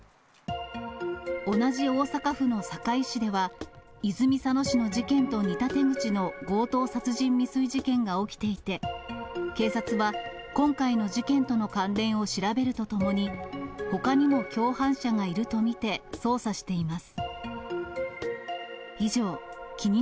同じ大阪府の堺市では、泉佐野市の事件と似た手口の強盗殺人未遂事件が起きていて、警察は今回の事件との関連を調べるとともに、ほかにも共犯者がいると見て捜査しています。